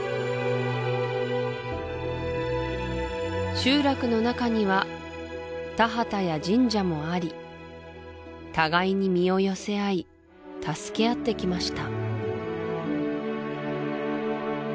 集落の中には田畑や神社もあり互いに身を寄せ合い助け合ってきました